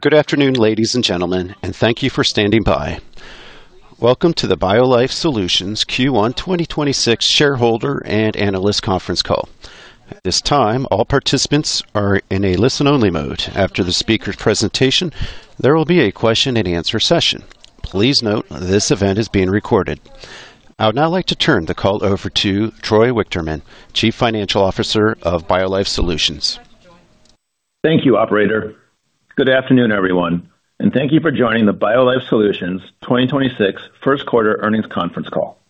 Good afternoon, ladies and gentlemen, and thank you for standing by. Welcome to the BioLife Solutions Q1 2026 Shareholder and Analyst Conference Call. At this time, all participants are in a listen-only mode. After the speaker presentation, there will be a question-and-answer session. Please note this event is being recorded. I would now like to turn the call over to Troy Wichterman, Chief Financial Officer of BioLife Solutions. Thank you, operator. Good afternoon, everyone, and thank you for joining the BioLife Solutions 2026 first quarter earnings conference call.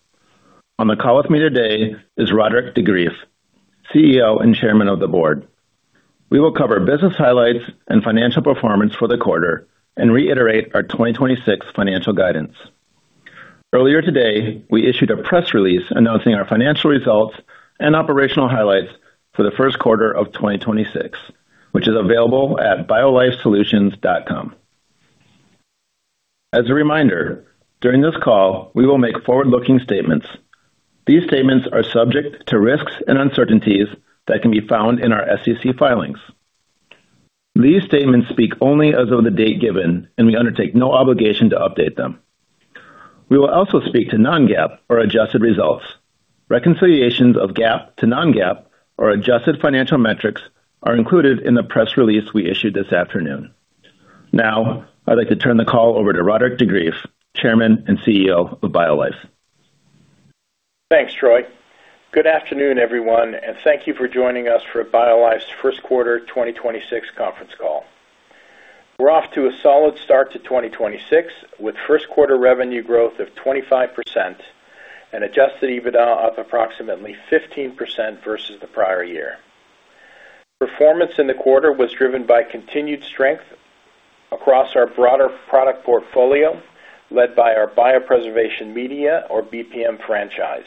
On the call with me today is Roderick de Greef, CEO and Chairman of the Board. We will cover business highlights and financial performance for the quarter and reiterate our 2026 financial guidance. Earlier today, we issued a press release announcing our financial results and operational highlights for the first quarter of 2026, which is available at biolifesolutions.com. As a reminder, during this call, we will make forward-looking statements. These statements are subject to risks and uncertainties that can be found in our SEC filings. These statements speak only as of the date given, and we undertake no obligation to update them. We will also speak to non-GAAP or adjusted results. Reconciliations of GAAP to non-GAAP or adjusted financial metrics are included in the press release we issued this afternoon. I'd like to turn the call over to Roderick de Greef, Chairman and CEO of BioLife. Thanks, Troy. Good afternoon, everyone, and thank you for joining us for BioLife's first quarter 2026 conference call. We're off to a solid start to 2026, with first quarter revenue growth of 25% and adjusted EBITDA up approximately 15% versus the prior year. Performance in the quarter was driven by continued strength across our broader product portfolio, led by our biopreservation media or BPM franchise.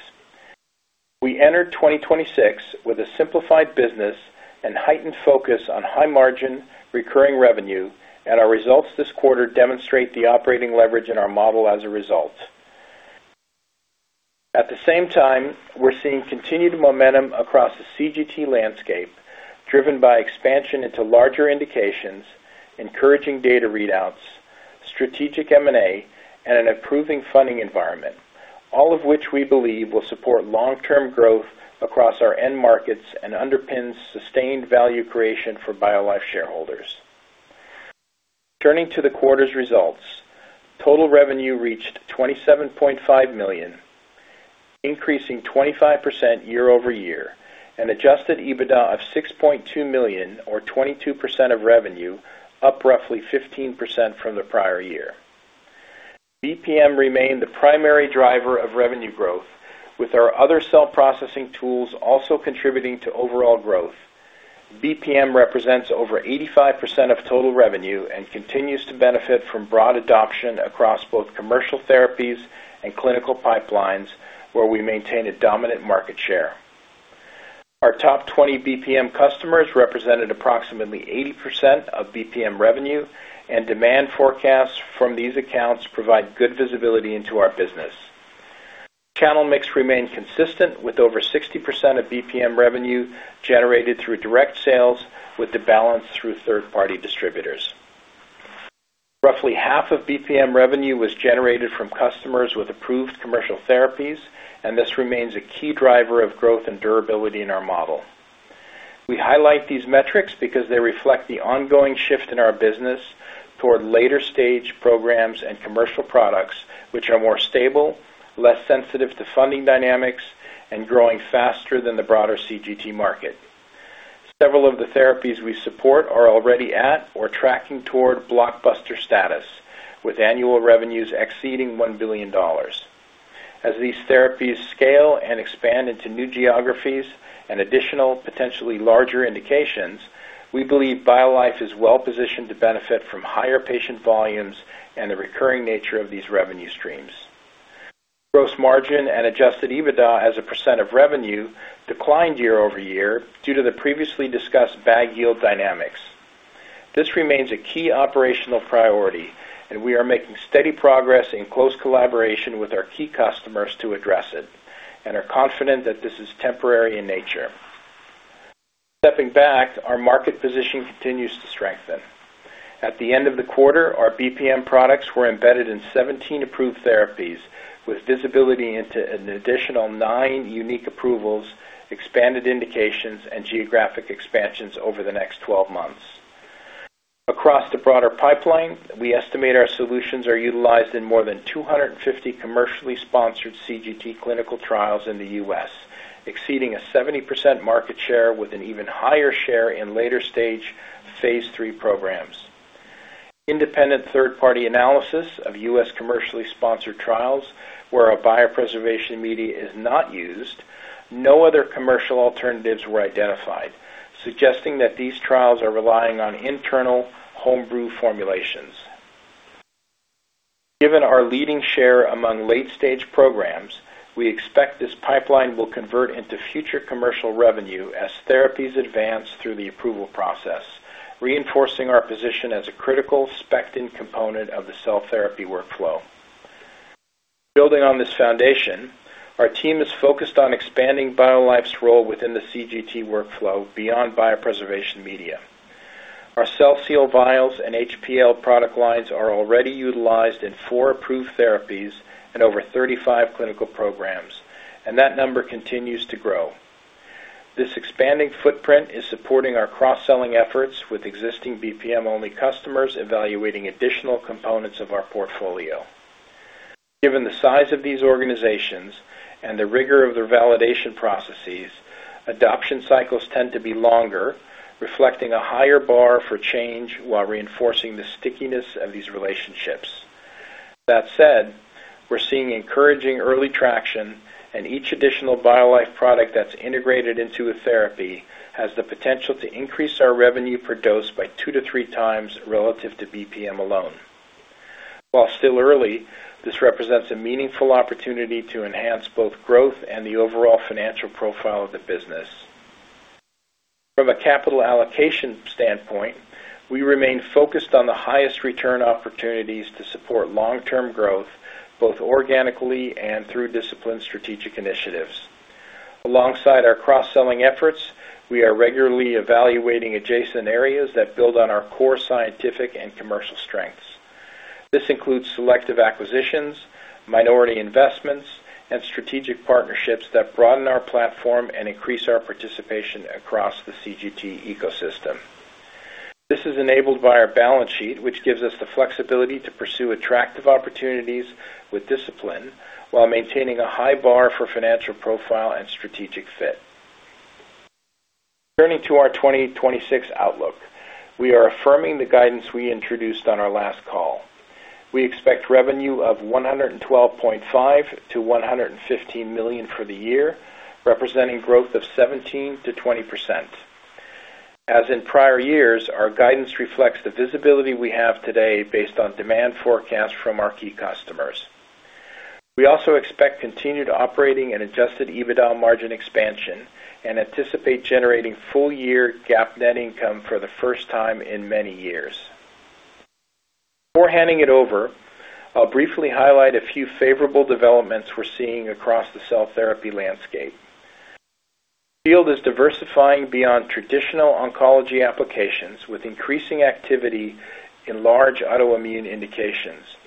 We entered 2026 with a simplified business and heightened focus on high margin recurring revenue, and our results this quarter demonstrate the operating leverage in our model as a result. At the same time, we're seeing continued momentum across the CGT landscape, driven by expansion into larger indications, encouraging data readouts, strategic M&A, and an improving funding environment, all of which we believe will support long-term growth across our end markets and underpin sustained value creation for BioLife shareholders. Turning to the quarter's results, total revenue reached $27.5 million, increasing 25% year-over-year. Adjusted EBITDA of $6.2 million or 22% of revenue, up roughly 15% from the prior year. BPM remained the primary driver of revenue growth, with our other cell processing tools also contributing to overall growth. BPM represents over 85% of total revenue. BPM continues to benefit from broad adoption across both commercial therapies and clinical pipelines, where we maintain a dominant market share. Our top 20 BPM customers represented approximately 80% of BPM revenue. Demand forecasts from these accounts provide good visibility into our business. Channel mix remained consistent with over 60% of BPM revenue generated through direct sales with the balance through third-party distributors. Roughly half of BPM revenue was generated from customers with approved commercial therapies, and this remains a key driver of growth and durability in our model. We highlight these metrics because they reflect the ongoing shift in our business toward later-stage programs and commercial products, which are more stable, less sensitive to funding dynamics, and growing faster than the broader CGT market. Several of the therapies we support are already at or tracking toward blockbuster status, with annual revenues exceeding $1 billion. As these therapies scale and expand into new geographies and additional potentially larger indications, we believe BioLife is well-positioned to benefit from higher patient volumes and the recurring nature of these revenue streams. Gross margin and adjusted EBITDA as a percentage of revenue declined year-over-year due to the previously discussed bag yield dynamics. This remains a key operational priority, and we are making steady progress in close collaboration with our key customers to address it and are confident that this is temporary in nature. Stepping back, our market position continues to strengthen. At the end of the quarter, our BPM products were embedded in 17 approved therapies, with visibility into an additional nine unique approvals, expanded indications, and geographic expansions over the next 12 months. Across the broader pipeline, we estimate our solutions are utilized in more than 250 commercially sponsored CGT clinical trials in the U.S. exceeding a 70% market share with an even higher share in later-stage phase III programs. Independent third-party analysis of U.S. commercially sponsored trials where a biopreservation media is not used, no other commercial alternatives were identified, suggesting that these trials are relying on internal homebrew formulations. Given our leading share among late-stage programs, we expect this pipeline will convert into future commercial revenue as therapies advance through the approval process, reinforcing our position as a critical [inaudible] component of the cell therapy workflow. Building on this foundation, our team is focused on expanding BioLife's role within the CGT workflow beyond biopreservation media. Our CellSeal vials and hPL product lines are already utilized in four approved therapies and over 35 clinical programs, and that number continues to grow. This expanding footprint is supporting our cross-selling efforts with existing BPM-only customers evaluating additional components of our portfolio. Given the size of these organizations and the rigor of their validation processes, adoption cycles tend to be longer, reflecting a higher bar for change while reinforcing the stickiness of these relationships. That said, we're seeing encouraging early traction, and each additional BioLife product that's integrated into a therapy has the potential to increase our revenue per dose by two to three times relative to BPM alone. While still early, this represents a meaningful opportunity to enhance both growth and the overall financial profile of the business. From a capital allocation standpoint, we remain focused on the highest return opportunities to support long-term growth, both organically and through disciplined strategic initiatives. Alongside our cross-selling efforts, we are regularly evaluating adjacent areas that build on our core scientific and commercial strengths. This includes selective acquisitions, minority investments, and strategic partnerships that broaden our platform and increase our participation across the CGT ecosystem. This is enabled by our balance sheet, which gives us the flexibility to pursue attractive opportunities with discipline while maintaining a high bar for financial profile and strategic fit. Turning to our 2026 outlook, we are affirming the guidance we introduced on our last call. We expect revenue of $112.5 million-$115 million for the year, representing growth of 17%-20%. As in prior years, our guidance reflects the visibility we have today based on demand forecasts from our key customers. We also expect continued operating and adjusted EBITDA margin expansion and anticipate generating full-year GAAP net income for the first time in many years. Before handing it over, I'll briefly highlight a few favorable developments we're seeing across the cell therapy landscape. The field is diversifying beyond traditional oncology applications, with increasing activity in large autoimmune indications.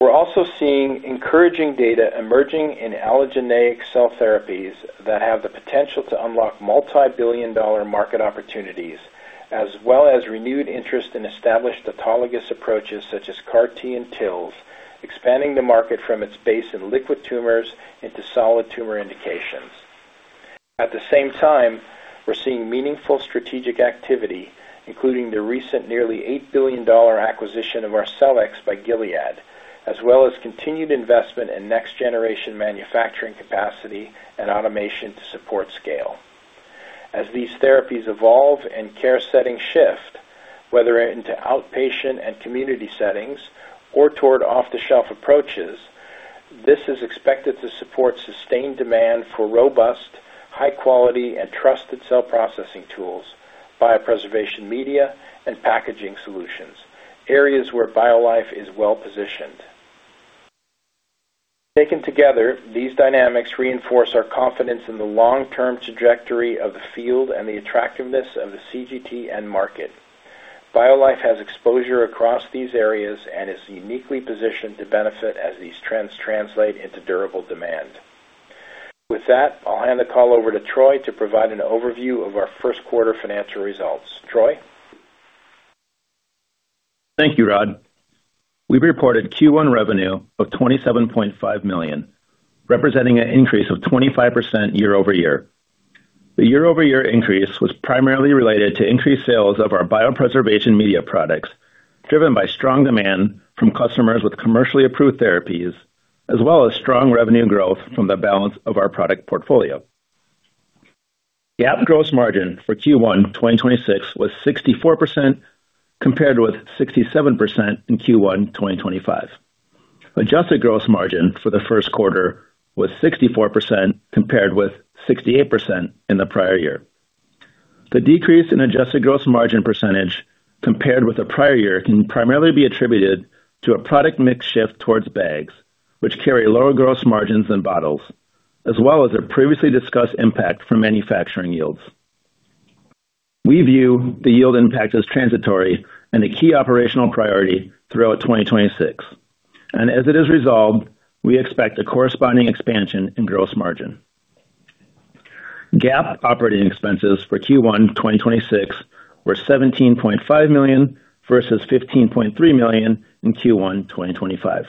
We're also seeing encouraging data emerging in allogeneic cell therapies that have the potential to unlock multi-billion-dollar market opportunities, as well as renewed interest in established autologous approaches such as CAR T and TILs, expanding the market from its base in liquid tumors into solid tumor indications. At the same time, we're seeing meaningful strategic activity, including the recent nearly $8 billion acquisition of our Arcellx by Gilead, as well as continued investment in next-generation manufacturing capacity and automation to support scale. As these therapies evolve and care settings shift, whether into outpatient and community settings or toward off-the-shelf approaches, this is expected to support sustained demand for robust, high quality and trusted cell processing tools, biopreservation media, and packaging solutions, areas where BioLife is well-positioned. Taken together, these dynamics reinforce our confidence in the long-term trajectory of the field and the attractiveness of the CGT market. BioLife has exposure across these areas and is uniquely positioned to benefit as these trends translate into durable demand. With that, I'll hand the call over to Troy to provide an overview of our first quarter financial results. Troy? Thank you, Rod. We reported Q1 revenue of $27.5 million, representing an increase of 25% year-over-year. The year-over-year increase was primarily related to increased sales of our biopreservation media products, driven by strong demand from customers with commercially approved therapies, as well as strong revenue growth from the balance of our product portfolio. GAAP gross margin for Q1 2026 was 64% compared with 67% in Q1 2025. Adjusted gross margin for the first quarter was 64% compared with 68% in the prior year. The decrease in adjusted gross margin percentage compared with the prior year can primarily be attributed to a product mix shift towards bags, which carry lower gross margins than bottles, as well as our previously discussed impact from manufacturing yields. We view the yield impact as transitory and a key operational priority throughout 2026, and as it is resolved, we expect a corresponding expansion in gross margin. GAAP operating expenses for Q1 2026 were $17.5 million versus $15.3 million in Q1 2025.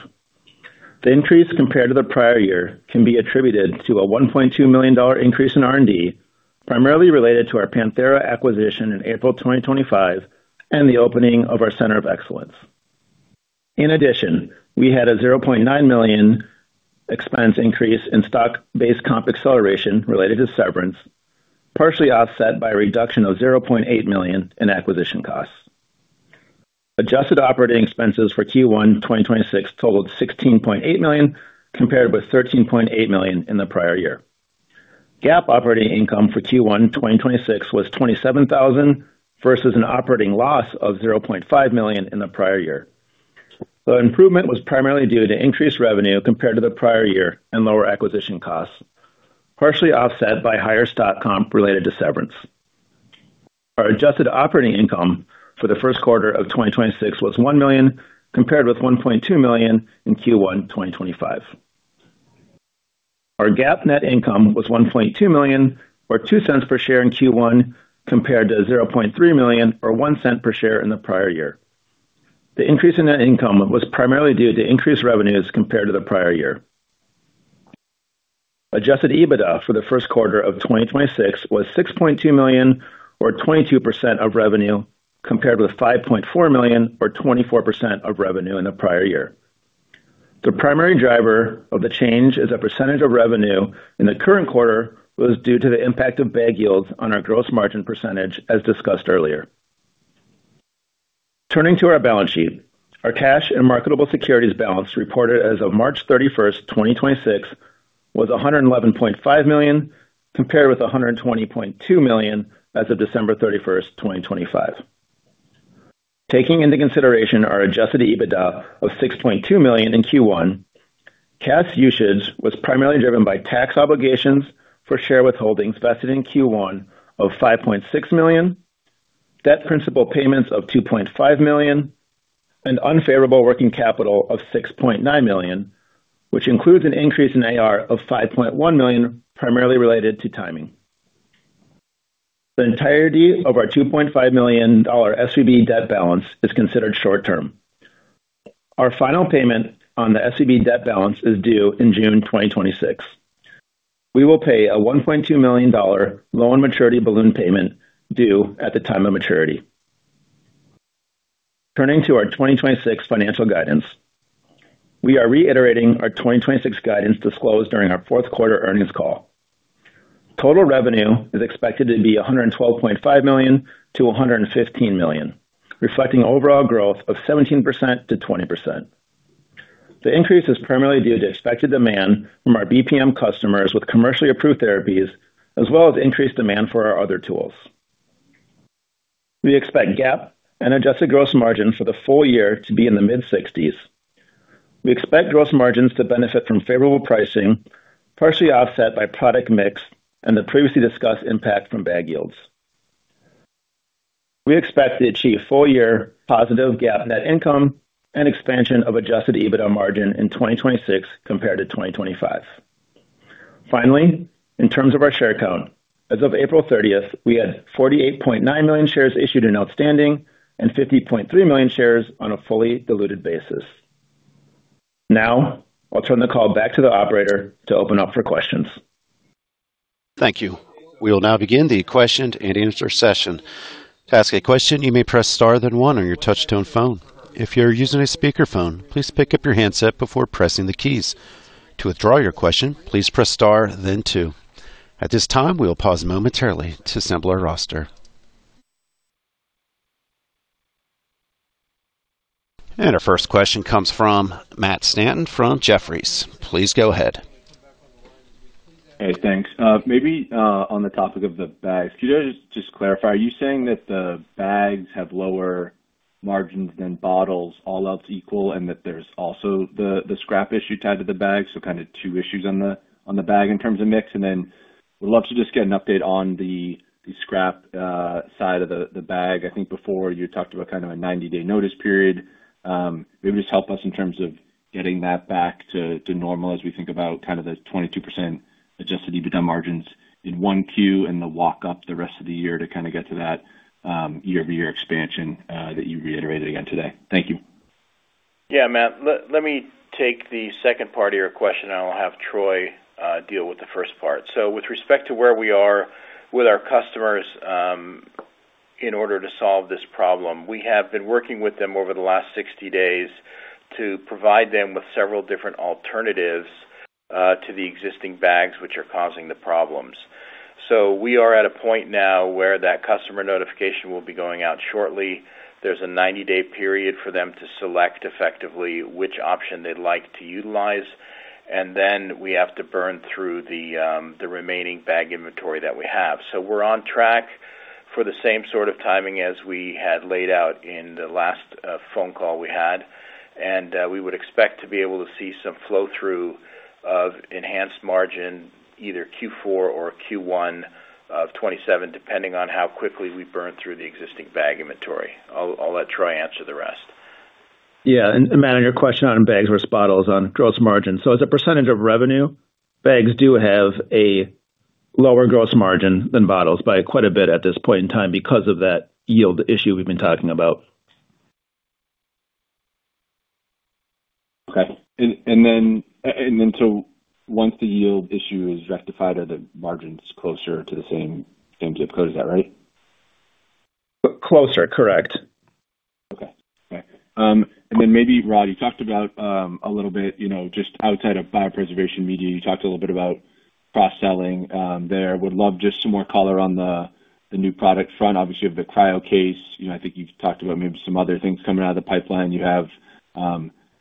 The increase compared to the prior year can be attributed to a $1.2 million increase in R&D, primarily related to our Panthera acquisition in April 2025 and the opening of our Center of Excellence. In addition, we had a $0.9 million expense increase in stock-based comp acceleration related to severance, partially offset by a reduction of $0.8 million in acquisition costs. Adjusted operating expenses for Q1 2026 totaled $16.8 million, compared with $13.8 million in the prior year. GAAP operating income for Q1 2026 was $27,000 versus an operating loss of $0.5 million in the prior year. The improvement was primarily due to increased revenue compared to the prior year and lower acquisition costs, partially offset by higher stock comp related to severance. Our adjusted operating income for the first quarter of 2026 was $1 million, compared with $1.2 million in Q1 2025. Our GAAP net income was $1.2 million, or $0.02 per share in Q1, compared to $0.3 million or $0.01 per share in the prior year. The increase in net income was primarily due to increased revenues compared to the prior year. Adjusted EBITDA for the first quarter of 2026 was $6.2 million or 22% of revenue, compared with $5.4 million or 24% of revenue in the prior year. The primary driver of the change as a percentage of revenue in the current quarter was due to the impact of bag yields on our gross margin percentage as discussed earlier. Turning to our balance sheet. Our cash and marketable securities balance reported as of March 31st, 2026, was $111.5 million, compared with $120.2 million as of December 31st, 2025. Taking into consideration our adjusted EBITDA of $6.2 million in Q1, cash usage was primarily driven by tax obligations for share withholdings vested in Q1 of $5.6 million, debt principal payments of $2.5 million, and unfavorable working capital of $6.9 million, which includes an increase in AR of $5.1 million, primarily related to timing. The entirety of our $2.5 million SVB debt balance is considered short-term. Our final payment on the SVB debt balance is due in June 2026. We will pay a $1.2 million loan maturity balloon payment due at the time of maturity. Turning to our 2026 financial guidance. We are reiterating our 2026 guidance disclosed during our fourth quarter earnings call. Total revenue is expected to be $112.5 million-$115 million, reflecting overall growth of 17%-20%. The increase is primarily due to expected demand from our BPM customers with commercially approved therapies as well as increased demand for our other tools. We expect GAAP and adjusted gross margin for the full year to be in the mid-60s. We expect gross margins to benefit from favorable pricing, partially offset by product mix and the previously discussed impact from bag yields. We expect to achieve full-year positive GAAP net income and expansion of adjusted EBITDA margin in 2026 compared to 2025. Finally, in terms of our share count, as of April 30th, we had 48.9 million shares issued and outstanding and 50.3 million shares on a fully diluted basis. Now I'll turn the call back to the operator to open up for questions. Thank you. We will now begin the question-and-answer session. To ask a question, you may press star then one on your touchtone phone. If you're using a speakerphone, please pick up your handset before pressing the keys. To withdraw your question, please press star then two. At this time, we will pause momentarily to assemble our roster. Our first question comes from Matt Stanton from Jefferies. Please go ahead. Hey, thanks. Maybe on the topic of the bags, could you just clarify, are you saying that the bags have lower margins than bottles all else equal, and that there's also the scrap issue tied to the bag? Kind of two issues on the bag in terms of mix. Then would love to just get an update on the scrap side of the bag. I think before you talked about kind of a 90-day notice period. Maybe just help us in terms of getting that back to normal as we think about kind of the 22% adjusted EBITDA margins in 1Q and the walk up the rest of the year to kind of get to that year-over-year expansion that you reiterated again today. Thank you. Yeah, Matt, let me take the second part of your question, and I'll have Troy deal with the first part. With respect to where we are with our customers, in order to solve this problem, we have been working with them over the last 60 days to provide them with several different alternatives to the existing bags which are causing the problems. We are at a point now where that customer notification will be going out shortly. There's a 90-day period for them to select effectively which option they'd like to utilize. We have to burn through the remaining bag inventory that we have. We're on track for the same sort of timing as we had laid out in the last phone call we had. We would expect to be able to see some flow through of enhanced margin either Q4 or Q1 of 2027, depending on how quickly we burn through the existing bag inventory. I'll let Troy answer the rest. Yeah. Matt, on your question on bags versus bottles on gross margin. As a percentage of revenue, bags do have a lower gross margin than bottles by quite a bit at this point in time because of that yield issue we've been talking about. Okay. Once the yield issue is rectified, are the margins closer to the same zip code? Is that right? Closer, correct. Okay. Okay. Then maybe Rod, you talked about a little bit, you know, just outside of biopreservation media, you talked a little bit about cross-selling there. Would love just some more color on the new product front, obviously you have the CryoCase. You know, I think you've talked about maybe some other things coming out of the pipeline. You have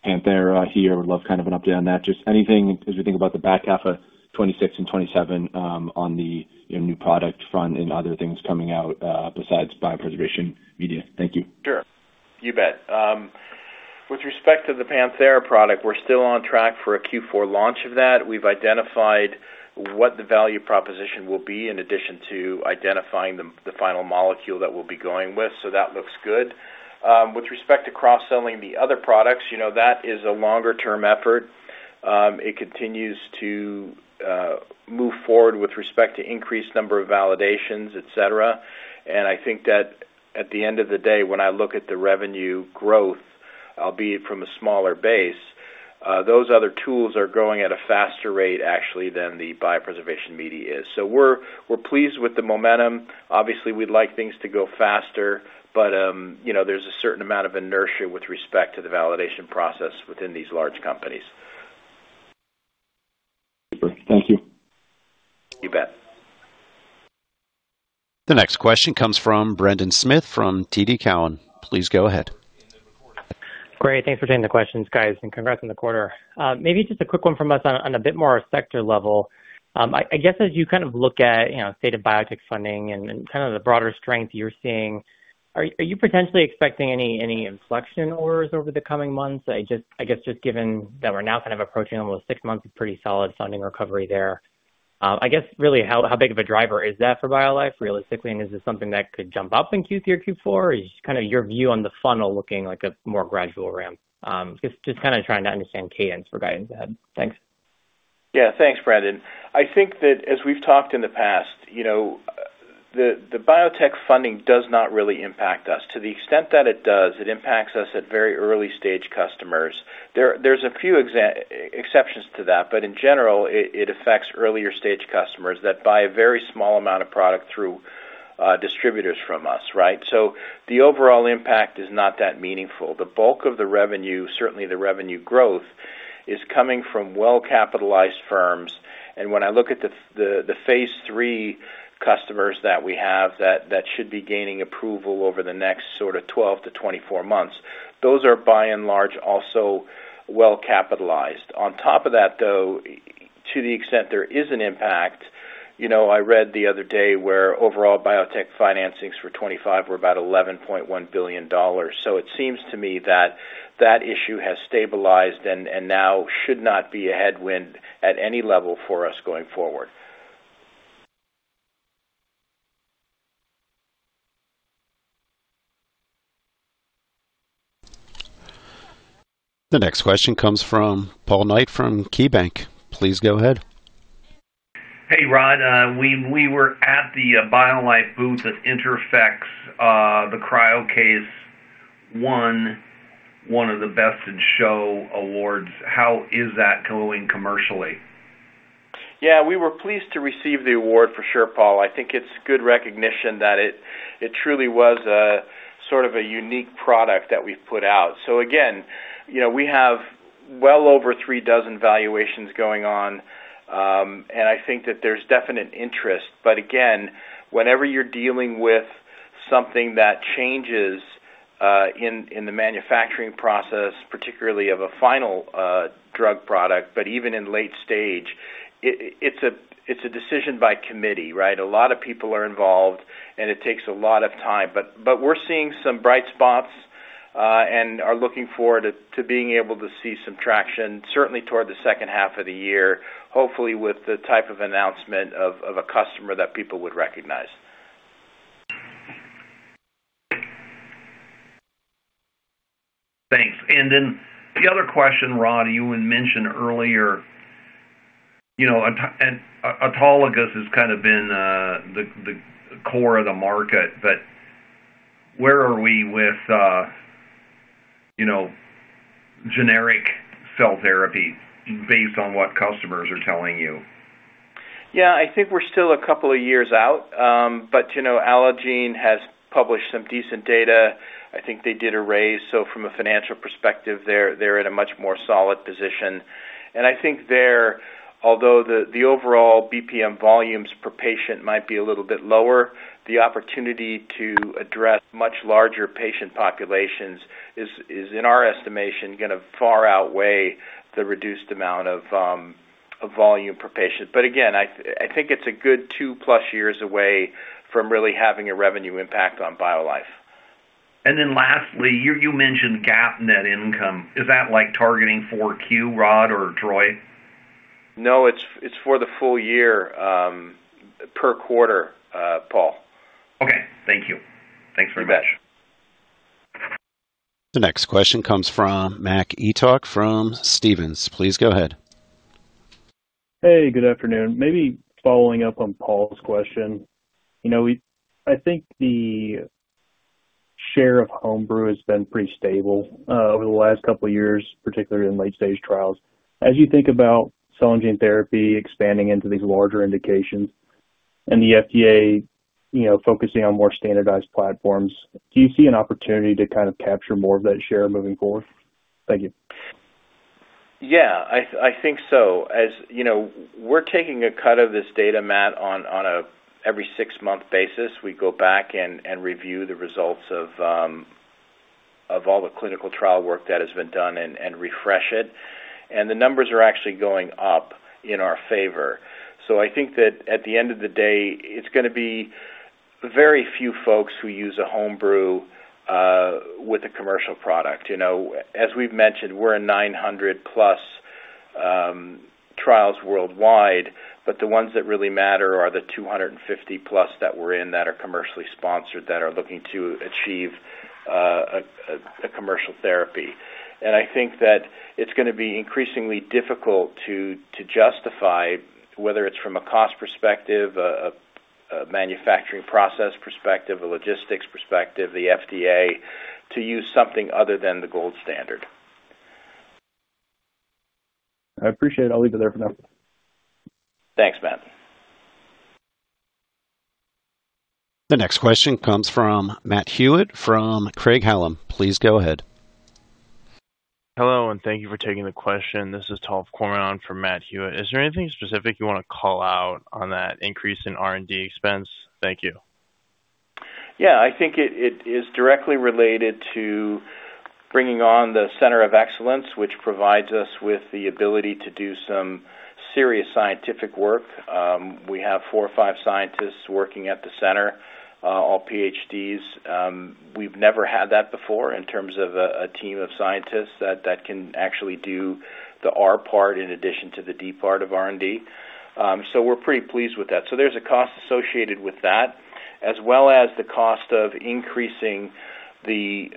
Panthera here. Would love kind of an update on that. Just anything as we think about the back half of 2026 and 2027, on the, you know, new product front and other things coming out besides biopreservation media. Thank you. Sure. You bet. With respect to the Panthera product, we're still on track for a Q4 launch of that. We've identified what the value proposition will be in addition to identifying the final molecule that we'll be going with, so that looks good. With respect to cross selling the other products, you know, that is a longer-term effort. It continues to move forward with respect to increased number of validations, et cetera. I think that at the end of the day, when I look at the revenue growth, albeit from a smaller base, those other tools are growing at a faster rate actually than the biopreservation media is. We're pleased with the momentum. Obviously, we'd like things to go faster, but, you know, there's a certain amount of inertia with respect to the validation process within these large companies. Super. Thank you. You bet. The next question comes from Brendan Smith from TD Cowen. Please go ahead. Great. Thanks for taking the questions, guys, and congrats on the quarter. Maybe just a quick one from us on a bit more sector level. I guess as you kind of look at, you know, state of biotech funding and kind of the broader strength you're seeing, are you potentially expecting any inflection orders over the coming months? I guess just given that we're now kind of approaching almost six months of pretty solid funding recovery there, I guess really how big of a driver is that for BioLife realistically? Is this something that could jump up in Q3 or Q4? Or just kind of your view on the funnel looking like a more gradual ramp? Just kinda trying to understand cadence for guidance ahead. Thanks. Yeah. Thanks, Brendan. I think that as we've talked in the past, you know, the biotech funding does not really impact us. To the extent that it does, it impacts us at very early-stage customers. There's a few exceptions to that, but in general, it affects earlier stage customers that buy a very small amount of product through distributors from us, right? The overall impact is not that meaningful. The bulk of the revenue, certainly the revenue growth, is coming from well-capitalized firms. When I look at the phase III customers that we have that should be gaining approval over the next sort of 12-24 months, those are by and large also well-capitalized. On top of that, though, to the extent there is an impact, you know, I read the other day where overall biotech financings for 2025 were about $11.1 billion. It seems to me that that issue has stabilized and now should not be a headwind at any level for us going forward. The next question comes from Paul Knight from KeyBank. Please go ahead. Hey, Rod. We were at the BioLife booth at INTERPHEX. The CryoCase won one of the Best in Show awards. How is that going commercially? Yeah, we were pleased to receive the award for sure, Paul. I think it's good recognition that it truly was a sort of a unique product that we've put out. Again, you know, we have well over three dozen valuations going on, and I think that there's definite interest. Again, whenever you're dealing with something that changes in the manufacturing process, particularly of a final drug product, but even in late stage, it's a, it's a decision by committee, right? A lot of people are involved, and it takes a lot of time. But we're seeing some bright spots and are looking forward to being able to see some traction certainly toward the second half of the year, hopefully with the type of announcement of a customer that people would recognize. Thanks. The other question, Rod, you had mentioned earlier, you know, autologous has kind of been the core of the market, where are we with, you know, generic cell therapy based on what customers are telling you? Yeah, I think we're still a couple of years out. You know, Allogene has published some decent data. I think they did a raise, so from a financial perspective, they're in a much more solid position. I think there, although the overall BPM volumes per patient might be a little bit lower, the opportunity to address much larger patient populations is in our estimation, gonna far outweigh the reduced amount of volume per patient. Again, I think it's a good two plus years away from really having a revenue impact on BioLife. Then lastly, you mentioned GAAP net income. Is that like targeting 4Q, Rod or Troy? No, it's for the full year, per quarter, Paul. Okay. Thank you. Thanks very much. You bet. The next question comes from Mac Etoch from Stephens. Please go ahead. Hey, good afternoon. Maybe following up on Paul's question. You know, I think the share of home brew has been pretty stable over the last couple of years, particularly in late-stage trials. As you think about cell and gene therapy expanding into these larger indications and the FDA, you know, focusing on more standardized platforms, do you see an opportunity to kind of capture more of that share moving forward? Thank you. Yeah, I think so. As you know, we're taking a cut of this data, math on a every six-month basis. We go back and review the results of all the clinical trial work that has been done and refresh it. The numbers are actually going up in our favor. I think that at the end of the day, it's gonna be very few folks who use a home brew, with a commercial product. You know, as we've mentioned, we're in 900 plus trials worldwide, but the ones that really matter are the 250 plus that we're in that are commercially sponsored, that are looking to achieve a commercial therapy. I think that it's gonna be increasingly difficult to justify whether it's from a cost perspective, a manufacturing process perspective, a logistics perspective, the FDA, to use something other than the gold standard. I appreciate it. I'll leave it there for now. Thanks, Mac. The next question comes from Matthew Hewitt from Craig-Hallum. Please go ahead. Hello, thank you for taking the question. This is Tal Cohen for Matthew Hewitt. Is there anything specific you wanna call out on that increase in R&D expense? Thank you. Yeah. I think it is directly related to bringing on the Center of Excellence, which provides us with the ability to do some serious scientific work. We have four or five scientists working at the center, all PhDs. We've never had that before in terms of a team of scientists that can actually do the R part in addition to the D part of R&D. We're pretty pleased with that. There's a cost associated with that, as well as the cost of increasing the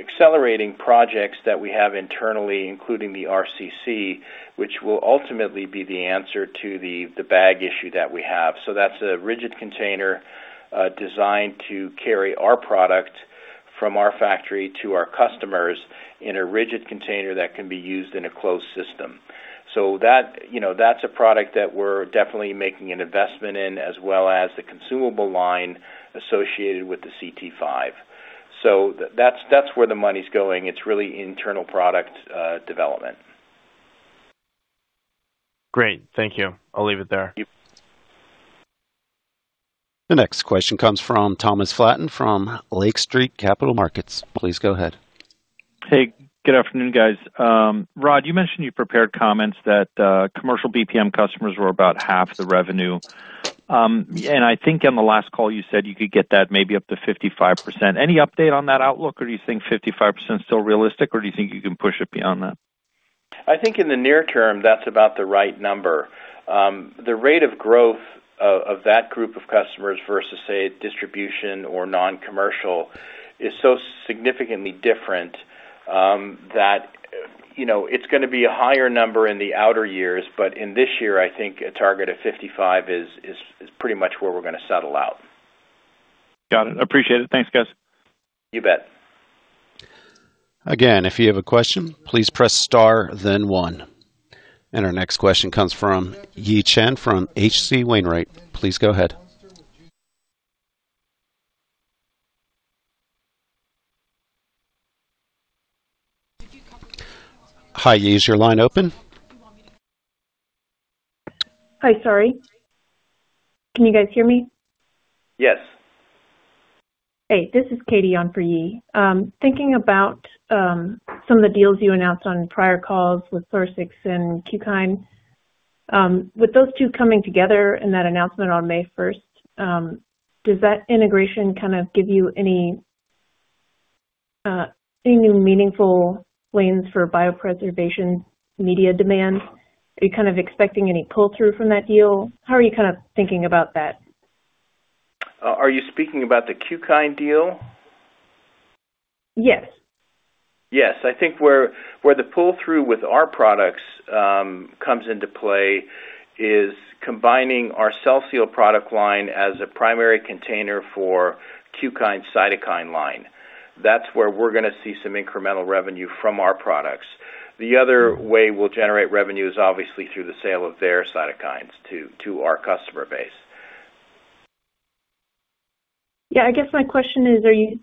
accelerating projects that we have internally, including the RCC, which will ultimately be the answer to the bag issue that we have. That's a rigid container, designed to carry our product from our factory to our customers in a rigid container that can be used in a closed system. That, you know, that's a product that we're definitely making an investment in, as well as the consumable line associated with the CT-5. That's where the money's going. It's really internal product development. Great. Thank you. I'll leave it there. Thank you. The next question comes from Thomas Flaten from Lake Street Capital Markets. Please go ahead. Hey, good afternoon, guys. Rod, you mentioned you prepared comments that commercial BPM customers were about half the revenue. I think on the last call you said you could get that maybe up to 55%. Any update on that outlook, or do you think 55% is still realistic, or do you think you can push it beyond that? I think in the near term, that's about the right number. The rate of growth of that group of customers versus, say, distribution or non-commercial is so significantly different, that, you know, it's gonna be a higher number in the outer years. In this year, I think a target of 55 is pretty much where we're gonna settle out. Got it. Appreciate it. Thanks, guys. You bet. Again, if you have a question, please press star then one. Our next question comes from Yi Chen from H.C. Wainwright. Please go ahead. Hi, Yi. Is your line open? Hi. Sorry. Can you guys hear me? Yes. Hey, this is Katie on for Yi. Thinking about some of the deals you announced on prior calls with Pluristyx and Qkine, with those two coming together in that announcement on May first, does that integration kind of give you any new meaningful lanes for biopreservation media demand? Are you kind of expecting any pull-through from that deal? How are you kind of thinking about that? Are you speaking about the Qkine deal? Yes. Yes. I think where the pull-through with our products comes into play is combining our CellSeal product line as a primary container for Qkine cytokine line. That's where we're gonna see some incremental revenue from our products. The other way we'll generate revenue is obviously through the sale of their cytokines to our customer base. Yeah, I guess my question is, are you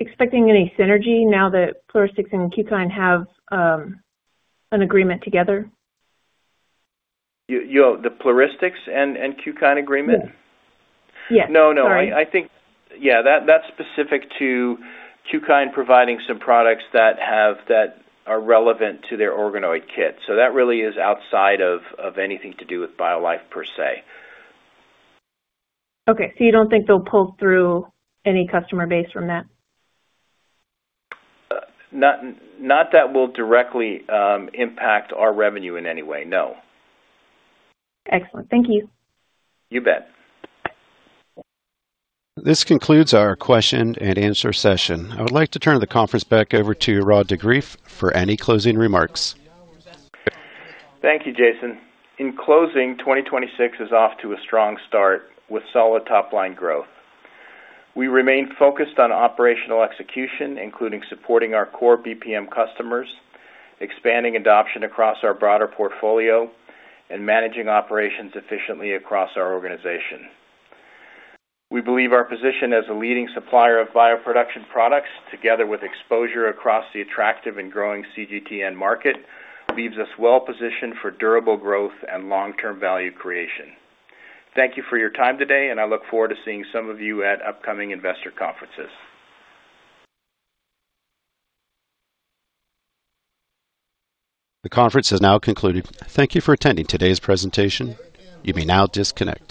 expecting any synergy now that Pluristyx and Qkine have an agreement together? Yi, the Pluristyx and Qkine agreement? Yes. Yeah, sorry. No, no. I think Yeah, that's specific to Qkine providing some products that are relevant to their organoid kit. That really is outside of anything to do with BioLife per se. Okay. You don't think they'll pull through any customer base from that? Not that will directly impact our revenue in any way. No. Excellent. Thank you. You bet. This concludes our question and answer session. I would like to turn the conference back over to Rod de Greef for any closing remarks. Thank you, Jason. In closing, 2026 is off to a strong start with solid top line growth. We remain focused on operational execution, including supporting our core BPM customers, expanding adoption across our broader portfolio, and managing operations efficiently across our organization. We believe our position as a leading supplier of bioproduction products, together with exposure across the attractive and growing CGT market, leaves us well positioned for durable growth and long-term value creation. Thank you for your time today, and I look forward to seeing some of you at upcoming investor conferences. The conference has now concluded. Thank you for attending today's presentation. You may now disconnect.